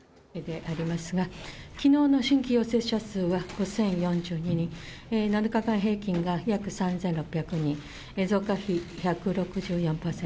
きのうの新規陽性者数は５０４２人、７日間平均が約３６００人、増加比１６４％。